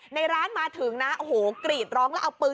ในร้านมาถึงนะโอ้โหกรีดร้องแล้วเอาปืน